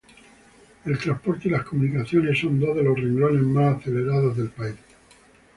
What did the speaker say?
El Transporte y las Comunicaciones son dos de los renglones más acelerados del país.